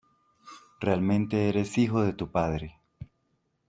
Realmente eres hijo de tu padre.